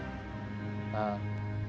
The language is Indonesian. beliau begitu cepat merubah mindset bahwa